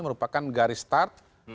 merupakan garis start